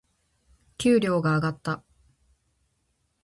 給料が上がった。